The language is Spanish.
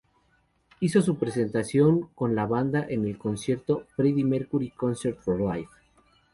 Hizo su presentación con la banda en el concierto "Freddie Mercury Concert for Life".